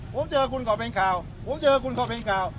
ผมเจอคุณก็เป็นข่าวผมเจอคุณก็เป็นข่าว